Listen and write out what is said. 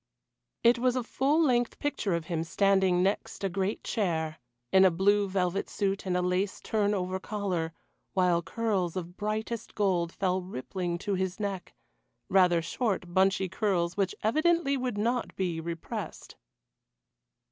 It was a full length picture of him standing next a great chair, in a blue velvet suit and a lace turn over collar, while curls of brightest gold fell rippling to his neck rather short bunchy curls which evidently would not be repressed.